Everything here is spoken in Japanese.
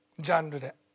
ジャンルで。